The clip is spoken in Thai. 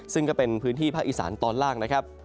ซึ่งก็เป็นพื้นที่ภาคอีสานตอนล่างนะครับ